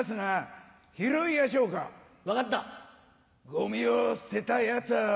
ゴミを捨てたヤツぁ